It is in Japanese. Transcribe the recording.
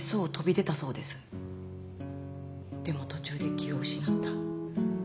でも途中で気を失った。